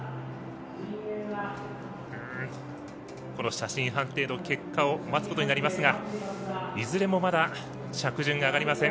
この写真判定の結果を待つことになりますがいずれも、まだ着順があがりません。